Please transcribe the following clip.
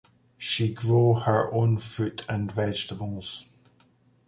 She grow her own fruit and vegetables.